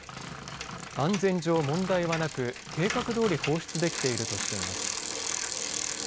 安全上問題はなく計画どおり放出できているとしています。